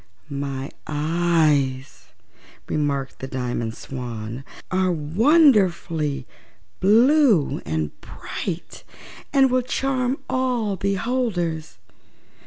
"My eyes," remarked the Diamond Swan, "are wonderfully blue and bright and will charm all beholders."